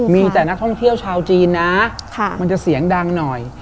มีแต่นักท่องเที่ยวชาวจีนนะมันจะเสียงดังหน่อย